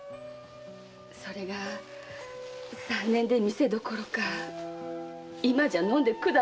それが三年で店どころか今じゃ飲んで管まいてばかり。